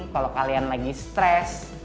kalau kalian lagi stress